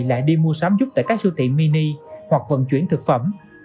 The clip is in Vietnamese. lại đi mua sắm giúp tại các siêu thị mini hoặc vận chuyển thực phẩm